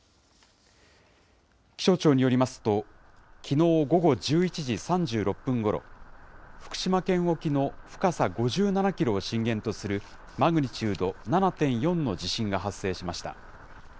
気象庁によりますと、きのう午後１１時３６分ごろ、福島県沖の深さ５７キロを震源とする、マグニチュード７．４の地震が発生しました。